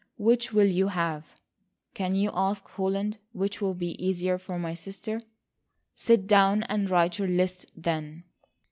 Which will you have?" "Can you ask, Holland? Which will be easier for my sister?" "Sit down and write your list, then."